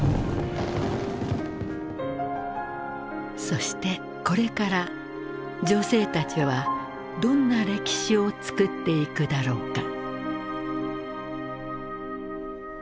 そしてこれから女性たちはどんな歴史をつくっていくだろうか。